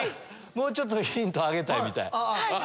もうちょっとヒントあげたいみたい。